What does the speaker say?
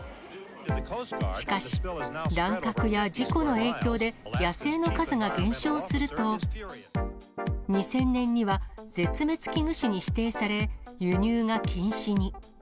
しかし、乱獲や事故の影響で、野生の数が減少すると、２０００年には絶滅危惧種に指定され、輸入が禁止に。